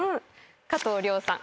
加藤諒さん。